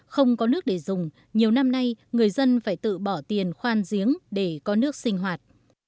không có nước để dùng nhiều năm nay người dân phải tự bỏ tiền khoan giếng để có nước sinh hoạt